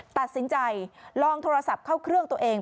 ตัดสินใจลองโทรศัพท์เข้าเครื่องตัวเอง